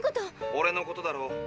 オレのことだろ。